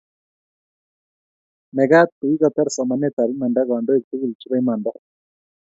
Mekat kukitar somanetab imanda kandoik tugul chebo imanda